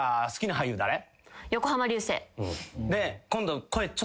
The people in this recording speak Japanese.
で今度。